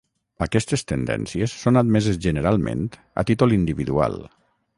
Aquestes tendències són admeses generalment a títol individual.